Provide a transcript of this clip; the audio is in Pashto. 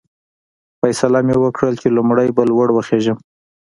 فیصله مې وکړل چې لومړی به لوړ وخېژم.